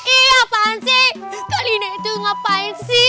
iya apaan sih kalian itu ngapain sih